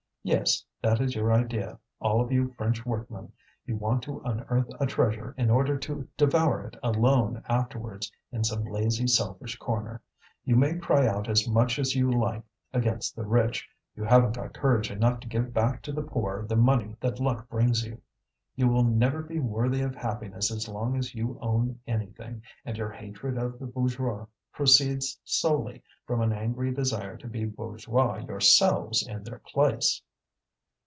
Yes, that is your idea, all of you French workmen; you want to unearth a treasure in order to devour it alone afterwards in some lazy, selfish corner. You may cry out as much as you like against the rich, you haven't got courage enough to give back to the poor the money that luck brings you. You will never be worthy of happiness as long as you own anything, and your hatred of the bourgeois proceeds solely from an angry desire to be bourgeois yourselves in their place."